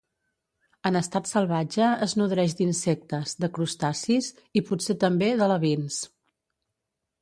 En estat salvatge es nodreix d'insectes, de crustacis i, potser també, d'alevins.